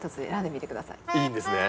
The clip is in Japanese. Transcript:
いいんですね？